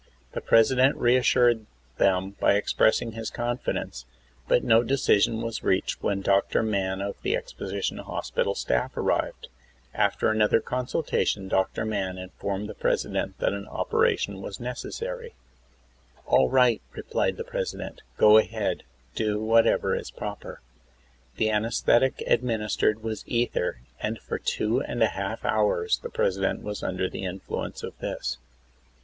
The President reassured them by expiressing his confidence, but no decision was reached when Dr. Mann of the exposition hospital staff arrived. After another consultation Dr. Mann informed the President that an operation was necessary. * "All right," replied the PIresident. "Go ahead. Do whatever is proper." The anesthetic administered was ether, and for two┬╗ and a half hours the President was under the influence of this.